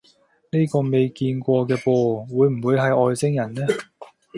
呢個未見過嘅噃，會唔會係外星人呢？